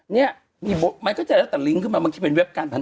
เนี่ยมีมันก็จะแล้วแต่ลิงก์ขึ้นมาบางทีเป็นเว็บการพนัน